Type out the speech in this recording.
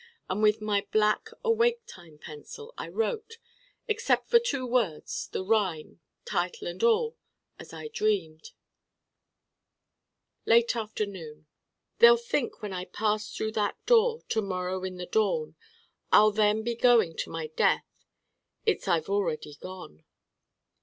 And with my black awake time pencil I wrote, except for two words, the rhyme, title and all, as I dreamed: LATE AFTERNOON. They'll think when I pass through that door To morrow in the dawn, I'll then be going to my death. _It's I've already gone.